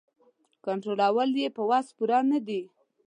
کنټرولول یې په وس پوره نه دي.